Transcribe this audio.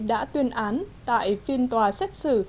đã tuyên án tại phiên tòa xét xử